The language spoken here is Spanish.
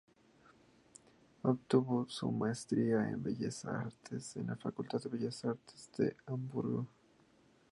Obtuvo su maestría en Bellas Artes en la Facultad de Bellas Artes de Hamburgo.